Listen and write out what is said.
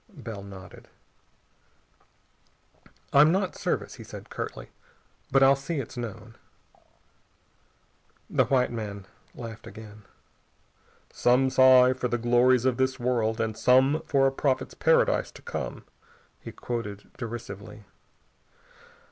Bell nodded. "I'm not Service," he said curtly, "but I'll see it's known." The white man laughed again. "'Some sigh for the glories of this world, and some for a prophet's paradise to come,'" he quoted derisively.